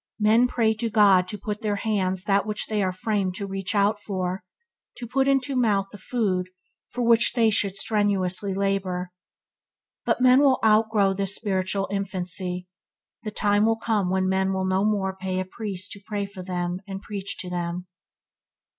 Men pray to God to put into their hands that which they are framed to reach out for; to put into their mouth the food for which they should strenuously labour. But men will outgrow this spiritual infancy. The time will come when men will no more pay a priest to pray for them and preach to them.